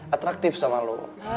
atraktif sama lu